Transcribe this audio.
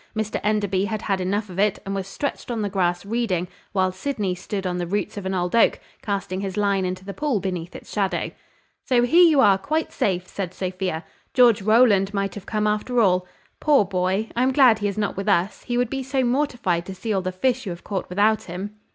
Mr Enderby had had enough of it, and was stretched on the grass reading, while Sydney stood on the roots of an old oak, casting his line into the pool beneath its shadow. "So, here you are, quite safe!" said Sophia; "George Rowland might have come after all. Poor boy! I am glad he is not with us, he would be so mortified to see all the fish you have caught without him!"